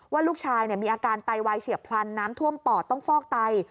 ว่าลูกชายมีอาการไตวายเฉียบพลันน้ำท่วมปอดต้องฟอกไต